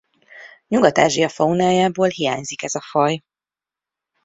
Nyugat-Ázsia faunájából hiányzik ez a faj.